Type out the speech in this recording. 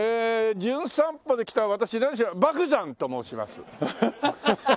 『じゅん散歩』で来た私誰にしよう莫山と申します。